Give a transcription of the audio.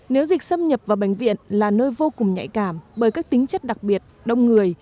nếu dịch xâm nhập vào bệnh viện là nơi vô cùng nhạy cảm bởi các tính chất đặc biệt đông người